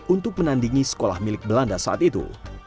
untuk menandingi sekolah milik belanda saat itu